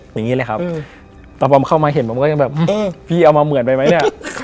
อย่างนี้เลยครับแต่พอเข้ามาเห็นผมก็ยังแบบพี่เอามาเหมือนไปไหมเนี่ย